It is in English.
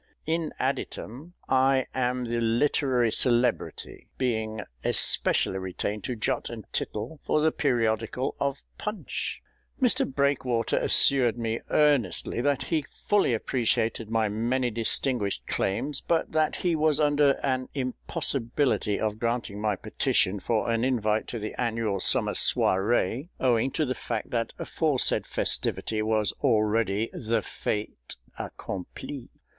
In additum, I am the literary celebrity, being especially retained to jot and tittle for the periodical of Punch." Mr BREAKWATER assured me earnestly that he fully appreciated my many distinguished claims, but that he was under an impossibility of granting my petition for an invite to the annual summer soirée, owing to the fact that aforesaid festivity was already the fait accompli.